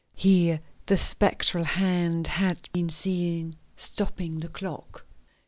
Here the spectral hand had been seen stopping the clock.